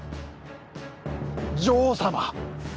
・女王様。